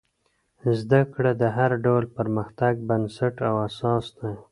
زده کړه د هر ډول پرمختګ بنسټ او اساس دی.